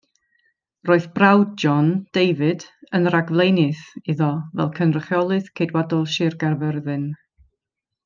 Roedd brawd John, David, yn rhagflaenydd iddo fel Cynrychiolydd Ceidwadol Sir Gaerfyrddin.